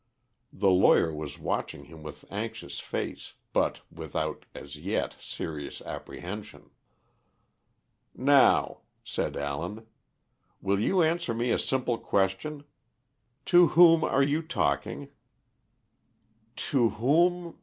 The lawyer was watching him with anxious face, but without, as yet, serious apprehension. "Now," said Allen, "will you answer me a simple question? To whom are you talking?" "To whom